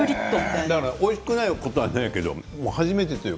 おいしくないことはないけど初めて。